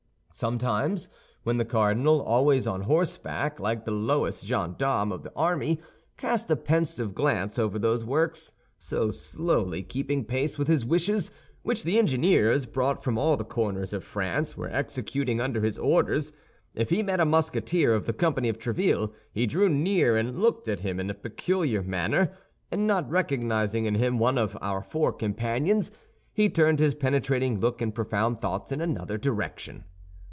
Sometimes when the cardinal, always on horseback, like the lowest gendarme of the army, cast a pensive glance over those works, so slowly keeping pace with his wishes, which the engineers, brought from all the corners of France, were executing under his orders, if he met a Musketeer of the company of Tréville, he drew near and looked at him in a peculiar manner, and not recognizing in him one of our four companions, he turned his penetrating look and profound thoughts in another direction.